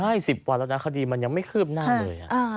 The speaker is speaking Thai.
ใช่๑๐วันแล้วนะคดีมันยังไม่คืบหน้าเลย